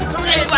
suruh jalan jalan